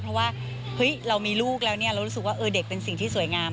เพราะว่าเรามีลูกแล้วเรารู้สึกว่าเด็กเป็นสิ่งที่สวยงาม